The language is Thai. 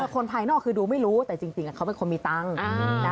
คนภายนอกคือดูไม่รู้แต่จริงเขาเป็นคนมีตังค์